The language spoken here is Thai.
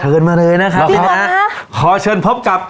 ขอเชิญพบกับพี่จุ๊กไว้ครับ